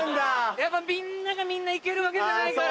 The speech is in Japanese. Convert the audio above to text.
やっぱみんながみんな生きるわけじゃないから。